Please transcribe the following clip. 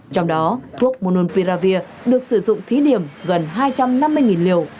trong đó thuốc munompiravir được sử dụng thí điểm gần hai trăm năm mươi liều